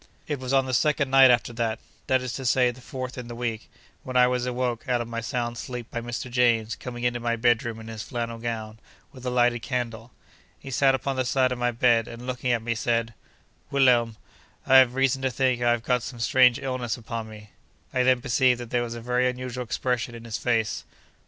It was on the second night after that—that is to say, the fourth in the week—when I was awoke out of my sound sleep by Mr. James coming into my bedroom in his flannel gown, with a lighted candle. He sat upon the side of my bed, and looking at me, said: 'Wilhelm, I have reason to think I have got some strange illness upon me.' I then perceived that there was a very unusual expression in his face.